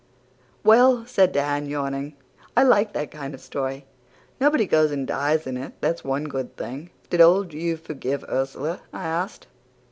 "Well," said Dan, yawning, "I like that kind of a story. Nobody goes and dies in it, that's one good thing." "Did old Hugh forgive Ursula?" I asked.